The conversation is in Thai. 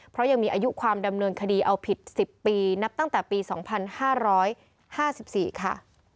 เพราะยังมีอายุความดำเนินคดีเอาผิด๑๐ปีนับตั้งแต่ปี๒๕๕๔ค่ะ